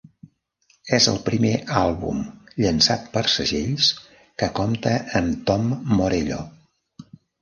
És el primer àlbum llançat per segells que compta amb Tom Morello.